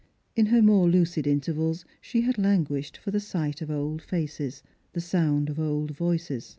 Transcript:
In her more lucid intervals she had languished for the sight of old faces, the sound of old voices.